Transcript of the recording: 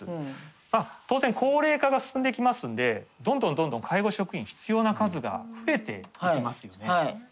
当然高齢化が進んできますんでどんどん介護職員必要な数が増えていきますよね。